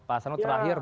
pak sanot terakhir